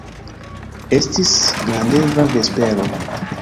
Estis grandega vespero.